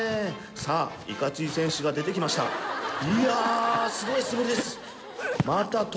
さあいかつい選手が出てきました。